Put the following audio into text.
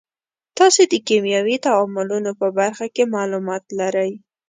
تاسې د کیمیاوي تعاملونو په برخه کې معلومات لرئ.